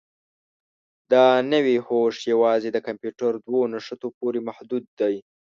دا نوي هوښ یوازې د کمپیوټر دوو نښو پورې محدود دی.